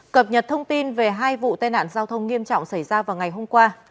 cập nhật thông tin về hai vụ tai nạn giao thông nghiêm trọng xảy ra vào ngày hôm qua